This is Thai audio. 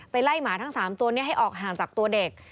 ไปไล่หมาทั้งสามตัวให้ออกห่างจากตัวเด็ก